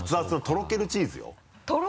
とろけるチーズですか？